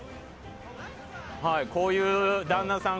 こういう旦那さん